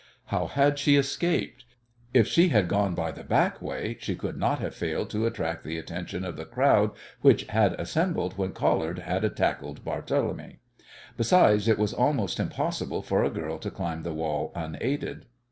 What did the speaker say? How had she escaped? If she had gone by the back way she could not have failed to attract the attention of the crowd which had assembled when Collard had tackled Barthélemy. Besides it was almost impossible for a girl to climb the wall unaided.